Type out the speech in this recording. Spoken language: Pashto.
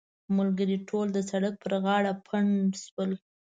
ملګري ټول د سړک پر غاړه پنډ شول.